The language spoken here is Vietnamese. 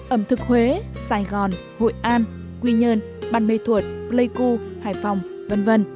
ẩm thực huế sài gòn hội an quy nhơn bàn mê thuột lây cưu hải phòng v v